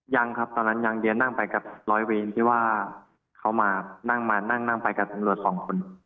ยังครับตอนนั้นยังเดียนั่งไปกับร้อยเวรที่ว่าเขามานั่งมานั่งนั่งไปกับตำรวจสองคน